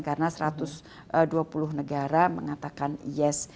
karena satu ratus dua puluh negara mengatakan yes